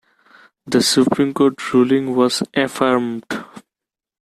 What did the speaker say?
The Supreme Court ruling was affirmed.